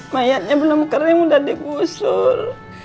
mayatnya belum kering udah digusur